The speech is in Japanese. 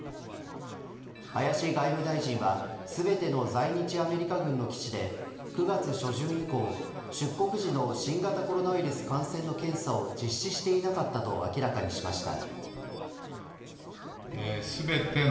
林外務大臣は全ての在日アメリカ軍の基地で９月初旬以降出国時の新型コロナウイルス感染の検査を実施していなかったと明らかにしました。